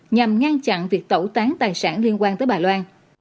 nhằm ngăn chặn việc tẩu tán tài sản liên quan tới bà loan